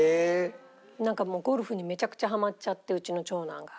なんかゴルフにめちゃくちゃハマっちゃってうちの長男が。